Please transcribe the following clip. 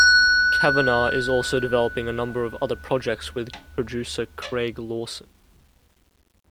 Cavanagh is also developing a number of other projects with producer Craig Lawson.